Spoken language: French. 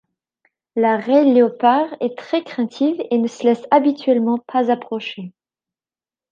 La raie léopard est très craintive et ne se laisse habituellement pas approcher.